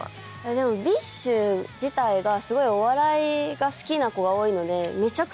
でもＢｉＳＨ自体がすごいお笑いが好きな子が多いので。